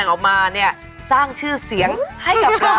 น่ารักเนอะ